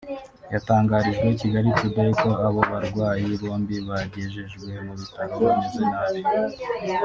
yatangarije Kigali Today ko abo barwayi bombi bagejejwe mu bitaro bameze nabi